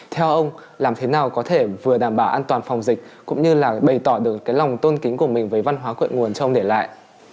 theo ông làm thế nào có thể vừa đảm bảo an toàn phòng dịch cũng như là bày tỏ được cái lòng tôn kính của mình về văn hóa cội nguồn cho ông để lại